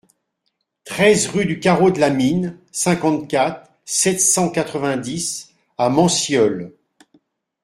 treize rue du Carreau de la Mine, cinquante-quatre, sept cent quatre-vingt-dix à Mancieulles